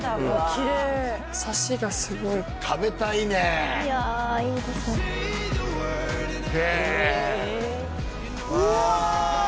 きれいサシがすごい食べたいねいやいいですねへえうわ！